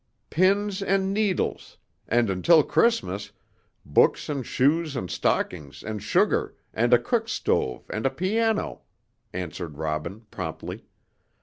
"Pins and needles, and until Christmas, books and shoes and stockings and sugar and a cook stove and a piano," answered Robin, promptly.